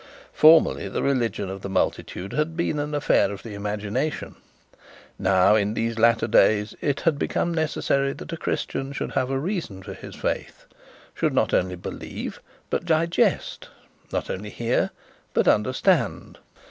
Formerly the religion of the multitude had been an affair of the imagination: now, in these latter days, it had become necessary that a Christian should have a reason for his faith should not only believe, but digest not only hear, but understand.